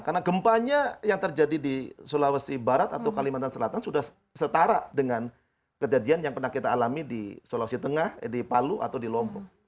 karena gempanya yang terjadi di sulawesi barat atau kalimantan selatan sudah setara dengan kejadian yang pernah kita alami di sulawesi tengah di palu atau di lombok